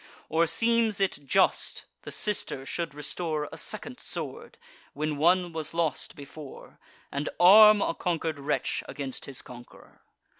Or seems it just, the sister should restore A second sword, when one was lost before, And arm a conquer'd wretch against his conqueror?